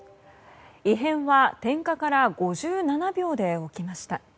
異変は点火から５７秒で起きました。